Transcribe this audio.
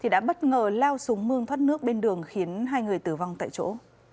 đã bất ngờ lao xuống mương thoát nước bên đường khiến hai người tử vong tại chỗ